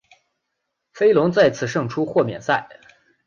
飞龙再次胜出豁免赛。